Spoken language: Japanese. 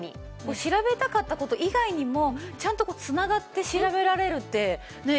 調べたかった事以外にもちゃんと繋がって調べられるっていいですよね。